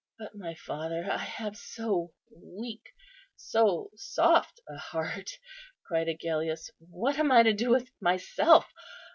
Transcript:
"But, my father, I have so weak, so soft a heart," cried Agellius; "what am I to do with myself?